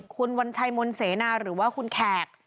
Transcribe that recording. คุณวัญชัยมนต์เสนาหรือว่าคุณแขก